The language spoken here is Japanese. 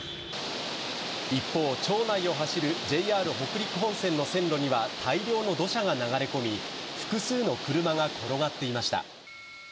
一方、町内を走るＪＲ北陸本線の線路には大量の土砂が流れ込み、複数の車が転がっていました。